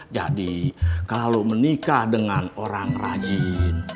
jadi kalau menikah dengan orang rajin